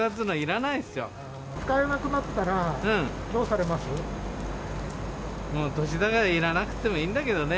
使えなくなったら、どうされもう年だから、いらなくってもいいんだけどね。